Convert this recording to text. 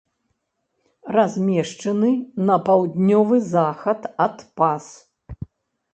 Размешчаны на паўднёвы захад ад пас.